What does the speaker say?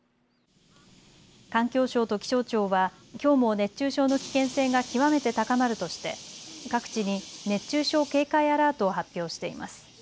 環境省と気象庁はきょうも熱中症の危険性が極めて高まるとして各地に熱中症警戒アラートを発表しています。